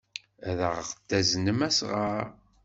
Ad aɣ-d-aznen asɣar.